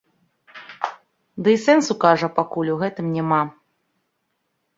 Ды і сэнсу, кажа, пакуль у гэтым няма.